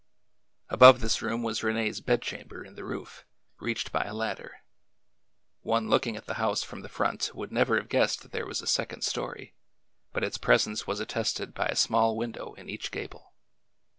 Above this room was Rene's bedchamber in the roof, reached by a ladder. One looking at the house from the front would never have guessed that there was a second story, but ks presence was attested by a small window in each gable.